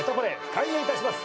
開演いたします。